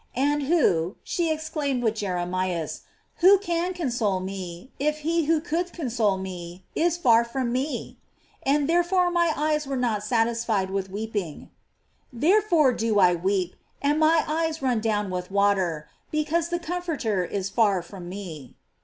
And who, she exclaimed with Jeremias, who can console me if he who could console me is far from me? and therefore my eyes are not satisfied with weeping : "There fore do I weep, and my eyes run down with water, because the comforter is far from me."